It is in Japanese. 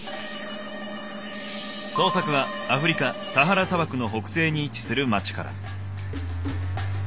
捜索はアフリカサハラ砂漠の北西に位置する町から。